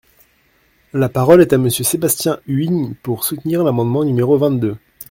La parole est à Monsieur Sébastien Huyghe, pour soutenir l’amendement numéro vingt-deux.